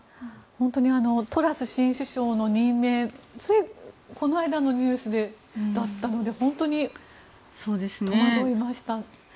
本当にトラス新首相の任命がついこの間のニュースだったので本当に戸惑いました。